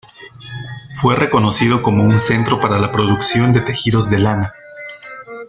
Fue reconocido como un centro para la producción de tejidos de lana.